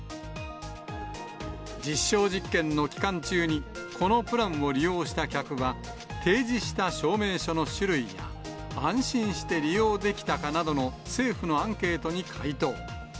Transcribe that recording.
実証実験の期間中にこのプランを利用した客は、提示した証明書の種類や安心して利用できたかなどの政府のアンケートに回答。